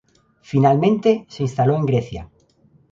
Finalmente, se instaló en Grecia.